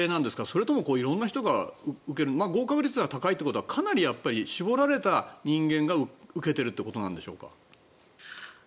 それとも色んな人が受ける合格率は高いということはかなり絞られた人間が受けているということなんでしょうか。